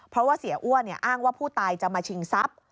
เพราะว่าเสียอ้วนอ้างว่าผู้ตายจะมาชิงทรัพย์